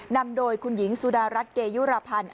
นำโดยคุณหญิงสุดารัฐเกยุรพันธ์